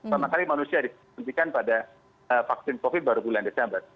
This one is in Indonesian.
pertama kali manusia disuntikan pada vaksin covid baru bulan desember